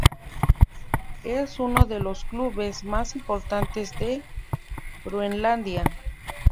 Es uno de los clubes más importantes de Groenlandia.